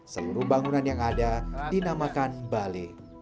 seluruh bangunan yang ada dinamakan bale